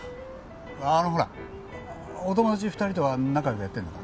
あのほらお友達２人とは仲良くやってんのか？